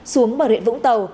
xuống bảo liện vũng tàu